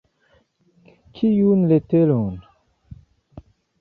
Kiun leteron?